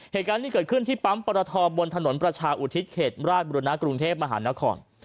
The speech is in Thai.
เหตุการณ์นี้เกิดขึ้นที่ปั๊มปรทบนถนนประชาอุทิศเขตราชบุรณะกรุงเทพมหานคร